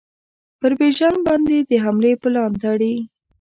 پر بیژن باندي د حملې پلان تړي.